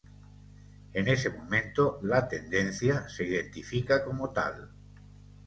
En ese momento "la Tendencia" se identifica como tal.